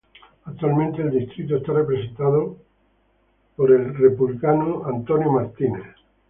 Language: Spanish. Actualmente el distrito está representado por el Republicano Doug Collins.